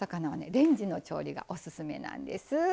レンジの調理がオススメなんです。